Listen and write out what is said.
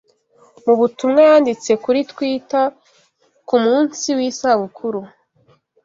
Mu butumwa yanditse kuri Twita ku munsi w’isabukuru